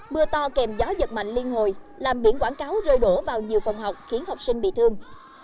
mưa to kèm gió giật mạnh liên hồi làm biển quảng cáo rơi đổ vào nhiều phòng học khiến học sinh bị thương